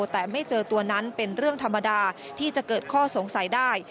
แต่ไม่เจอตัวนั้นเป็นเรื่องธรรมดาที่จะเกิดข้อสงสัยได้